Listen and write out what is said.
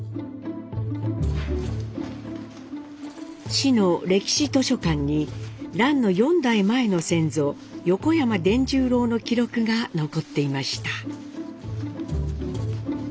市の歴史図書館に蘭の４代前の先祖横山傳十郎の記録が残っていました。